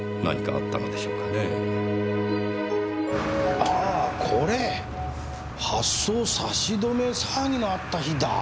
あぁこれ！発送差し止め騒ぎのあった日だ。